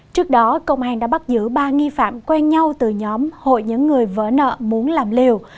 trước đó công an đã bắt giữ ba nghi phạm quen nhau từ nhóm hội những người vỡ nợ muốn làm liều